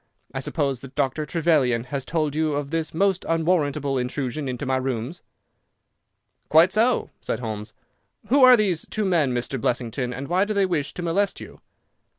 I suppose that Dr. Trevelyan has told you of this most unwarrantable intrusion into my rooms." "Quite so," said Holmes. "Who are these two men Mr. Blessington, and why do they wish to molest you?"